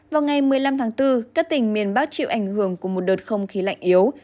vào ngày một mươi năm tháng bốn các tỉnh miền bắc chịu ảnh hưởng của một đợt không khí lạnh yếu